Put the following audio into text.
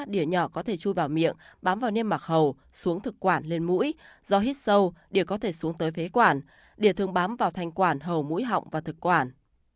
đỉa nhỏ có thể chui vào miệng bám vào niêm mạc hầu xuống thực quản lên mũi do hít sâu để có thể xuống tới phế quản để thường bám vào thanh quản hầu mũi họng và thực quản